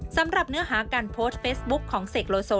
สำหรับเนื้อหาการโพสต์เฟซบุ๊คของเสกโลโซ